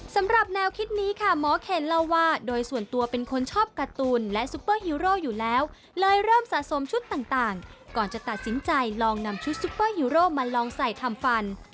สำหรับแนวคิดนี้ค่ะหมอเคนเล่าว่าโดยส่วนตัวเป็นคนชอบการ์ตูนและซุปเปอร์ฮีโร่อยู่แล้วเลยเริ่มสะสมชุดต่างก่อนจะตัดสินใจลองนำชุดซุปเปอร์ฮีโร่มาลองใส่ทำฟัน